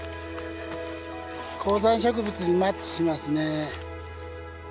高山植物にマッチしますね。